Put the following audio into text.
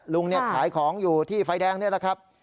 ลุงขายของอยู่ที่ไฟแดงนี่แหละครับ